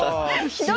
ひどい！